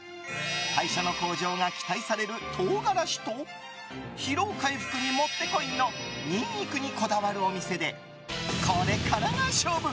代謝の向上が期待される唐辛子と疲労回復にもってこいのニンニクにこだわるお店でこれからが勝負！